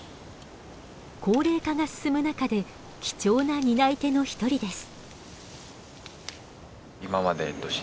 高齢化が進む中で貴重な担い手の一人です。